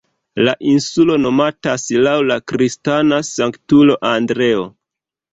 La insulo nomatas laŭ la kristana sanktulo Andreo.